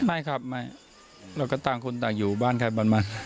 ไม่ครับไม่แล้วก็ต่างคนต่างอยู่บ้านใครบ้านมัน